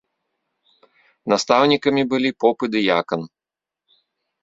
Настаўнікамі былі поп і дыякан.